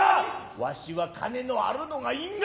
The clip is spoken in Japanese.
わしは金のあるのが因果